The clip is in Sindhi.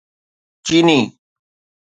چيني